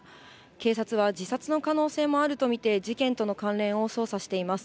警察は自殺の可能性もあると見て、事件との関連を捜査しています。